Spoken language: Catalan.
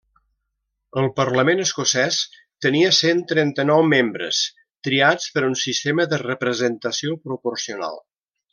El parlament escocès tenia cent trenta-nou membres triats per un sistema de representació proporcional.